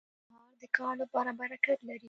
سهار د کار لپاره برکت لري.